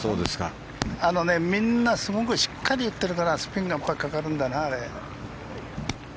みんなすごくしっかり打ってるからスピンがかかるんだな、あれ。